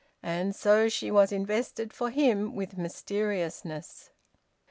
And so she was invested, for him, with mysteriousness.